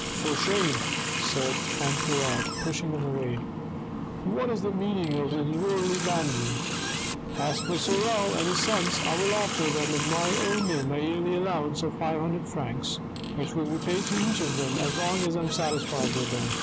" For shame," said M. Pirard, pushing him away. " What is the meaning of this worldly vanity ? As for Sorel and his sons, I will offer them in my own name a yearly allowance of five hundred francs, which will be paid to each of them as long as I am satisfied with them."